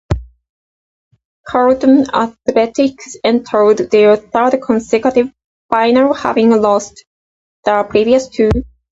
Charlton Athletic entered their third consecutive final having lost the previous two.